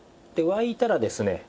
で沸いたらですね